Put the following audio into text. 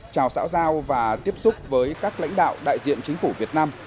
chào xã giao và tiếp xúc với các lãnh đạo đại diện chính phủ việt nam